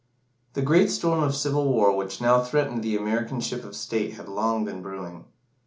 The great storm of civil war which now threatened the American Ship of State had been long brewing.